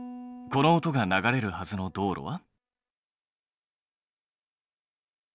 この音が流れるはずの道路は？